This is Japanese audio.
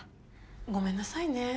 ごめんなさいね。